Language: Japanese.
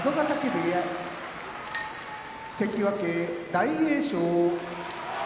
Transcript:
部屋関脇・大栄翔